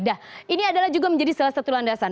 nah ini adalah juga menjadi salah satu landasan